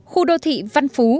khu đô thị văn phú